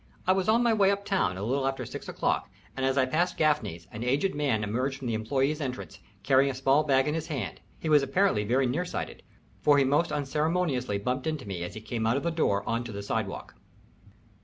I was on my way uptown, a little after six o'clock, and as I passed Gaffany's an aged man emerged from the employés' entrance, carrying a small bag in his hand. He was apparently very near sighted, for he most unceremoniously bumped into me as he came out of the door on to the sidewalk.